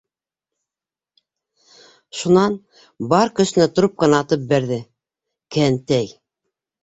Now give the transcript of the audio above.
Шунан бар көсөнә трубканы атып бәрҙе: «Кәнтәй!»